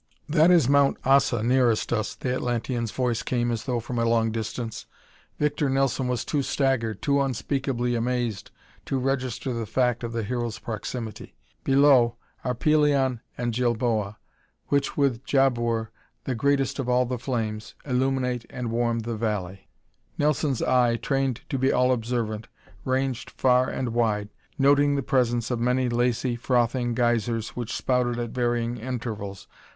"That is Mount Ossa nearest us," the Atlantean's voice came as though from a long distance. Victor Nelson was too staggered, too unspeakably amazed to register the fact of the Hero's proximity. "Below are Pelion and Jilboa, which, with Jabor, the greatest of all the flames, illuminate and warm the valley." Nelson's eye, trained to be all observant, ranged far and wide, noting the presence of many lacy, frothing geysers which spouted at varying intervals.